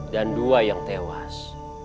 dan dua yang tewas